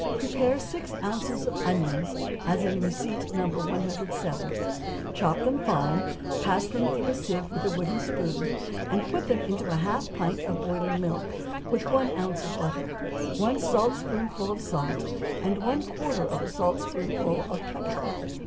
= Prepare six ounces of onions as in receipt No. 107; chop them fine, pass them through a sieve with a wooden spoon, and put them into half a pint of boiling milk, with one ounce of butter, one saltspoonful of salt, and one quarter of a saltspoonful of pepper.